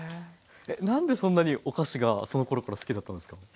何でそんなにお菓子がそのころから好きだったんですか？